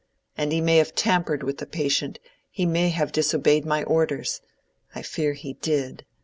And he may have tampered with the patient—he may have disobeyed my orders. I fear he did.